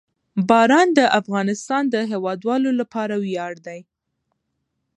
باران د افغانستان د هیوادوالو لپاره ویاړ دی.